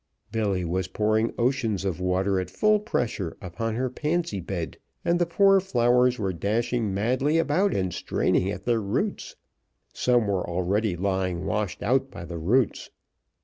Billy was pouring oceans of water at full pressure upon her pansy bed, and the poor flowers were dashing madly about and straining at their roots. Some were already lying washed out by the roots.